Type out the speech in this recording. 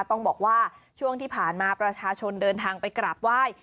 ต้องบอกว่าช่วงที่ผ่านมาประชาชนเดินทางไปกราบไหว้